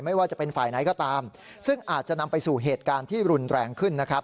ไม่ว่าจะเป็นฝ่ายไหนก็ตามซึ่งอาจจะนำไปสู่เหตุการณ์ที่รุนแรงขึ้นนะครับ